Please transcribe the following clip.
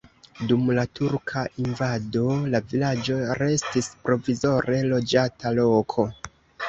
Dum la turka invado la vilaĝo restis provizore loĝata loko.